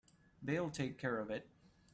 They'll take care of it.